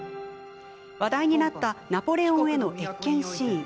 話題になったナポレオンへの謁見シーン。